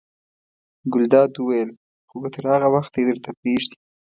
ګلداد وویل: خو که تر هغه وخته یې درته پرېږدي.